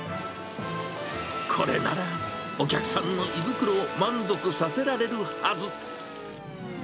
これなら、お客さんの胃袋を満足させられるはず。